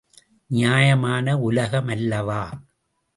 நியாயமான உலக மல்லவா?